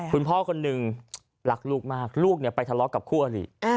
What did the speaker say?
คุณพ่อคนหนึ่งรักลูกมากลูกเนี่ยไปทะเลาะกับคู่อลีก